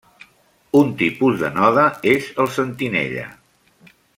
Un tipus de node és el sentinella.